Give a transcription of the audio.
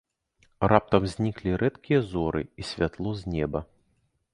Раптам зніклі рэдкія зоры і святло з неба.